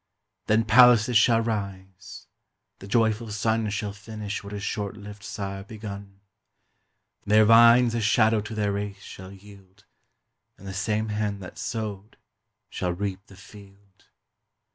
Then palaces shall rise; the joyful son Shall finish what his short lived sire begun; Their vines a shadow to their race shall yield. And the same hand that sowed, shall reap the field.